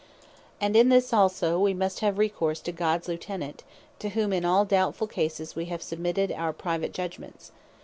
And in this also we must have recourse to Gods Lieutenant; to whom in all doubtfull cases, wee have submitted our private judgments.